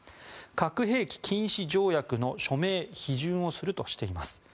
核兵器禁止条約の署名・批准をするとしています。